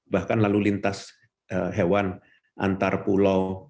bahkan lalu lintas hewan antar pulau